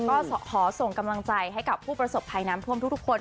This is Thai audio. ก็ขอส่งกำลังใจให้กับผู้ประสบภัยน้ำท่วมทุกคน